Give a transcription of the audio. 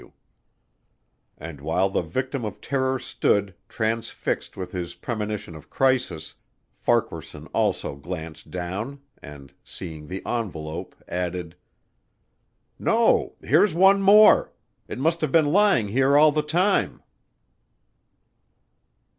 W." And while the victim of terror stood, transfixed with his premonition of crisis, Farquaharson also glanced down and, seeing the envelope, added: "No here's one more. It must have been lying here all the time."